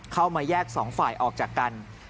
เข้ามาแยกสองฝ่ายออกจากกัน